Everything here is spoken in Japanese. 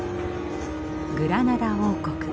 グラナダ王国。